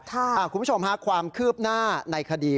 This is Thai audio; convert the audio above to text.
คุณผู้ชมค่ะความคืบหน้าในคดี